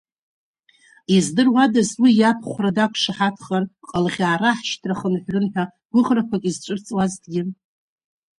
Издыруадаз уи иабхәра дақәшаҳаҭхар, ҟалӷьаа раҳшьҭра хынҳәрын ҳәа гәыӷрақәак изцәырҵуазҭгьы.